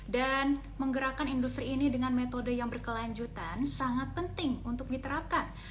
dan menggerakkan industri ini dengan metode yang berkelanjutan sangat penting untuk diterapkan